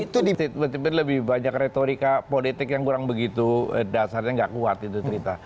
itu dititipin lebih banyak retorika politik yang kurang begitu dasarnya nggak kuat itu cerita